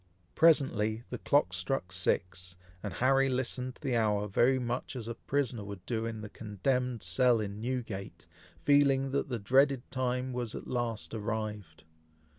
Presently the clock struck six, and Harry listened to the hour very much as a prisoner would do in the condemned cell in Newgate, feeling that the dreaded time was at last arrived.